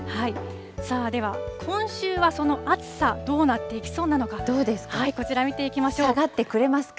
では、今週はその暑さ、どうなっていきそうなのか、こちら見てい下がってくれますか。